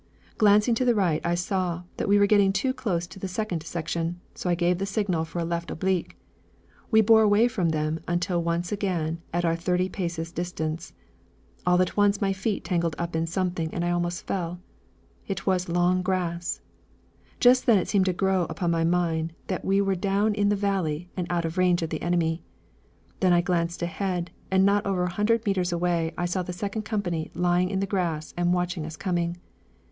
Glancing to the right, I saw that we were getting too close to the second section, so I gave the signal for a left oblique. We bore away from them until once again at our thirty paces distance. All at once my feet tangled up in something and I almost fell. It was long grass! Just then it seemed to grow upon my mind that we were down in the valley and out of range of the enemy. Then I glanced ahead, and not over a hundred metres away I saw the second company lying in the grass and watching us coming.